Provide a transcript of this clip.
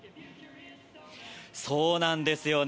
そうなんですよね。